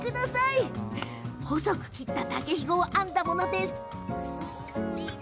細く切った竹ひごを編んだものなんです。